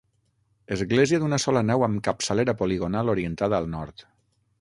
Església d'una sola nau amb capçalera poligonal orientada al nord.